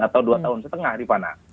atau dua tahun setengah di mana